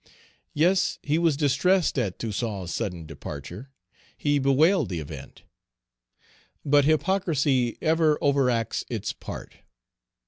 Yes, he was distressed at Toussaint's sudden departure, he bewailed the event. But hypocrisy ever overacts its part.